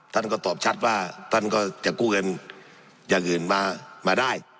ท่านก็ตอบชัดว่าท่านก็จะกู้เงินอย่างอื่นมาได้